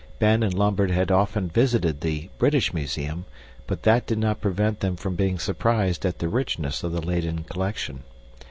Ben and Lambert had often visited the British Museum, but that did not prevent them from being surprised at the richness of the Leyden collection.